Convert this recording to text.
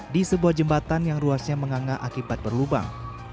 di sebuah jembatan yang ruasnya menganga akibat berlubang